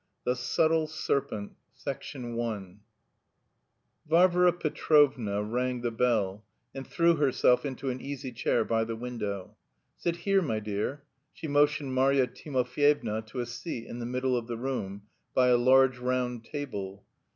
THE SUBTLE SERPENT I VARVARA PETROVNA rang the bell and threw herself into an easy chair by the window. "Sit here, my dear." She motioned Marya Timofyevna to a seat in the middle of the room, by a large round table.